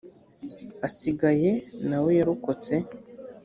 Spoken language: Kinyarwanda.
asigaye na we yarokotse